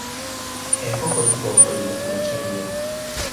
Enkoko zikookolima kumakya nnyo.